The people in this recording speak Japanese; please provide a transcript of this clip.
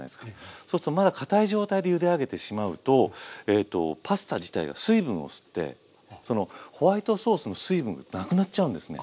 そうするとまだかたい状態でゆで上げてしまうとパスタ自体が水分を吸ってそのホワイトソースの水分がなくなっちゃうんですね。